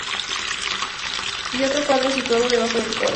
Y otro cuadro situado debajo del coro.